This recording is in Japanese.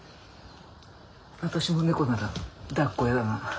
私も猫ならだっこ嫌だな。